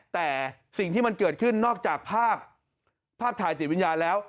แต่สิ่งที่มันเกิดขึ้นนอกจากภาพภาพถ่ายติดวิญญาณแล้ว